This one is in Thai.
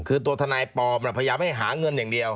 คือตัวทนายปลอมพยายามให้หาเงินอย่างเดียว